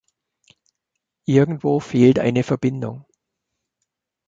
Irgendwo fehlt eine Verbindung.